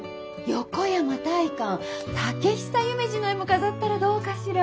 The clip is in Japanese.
横山大観竹久夢二の絵も飾ったらどうかしら？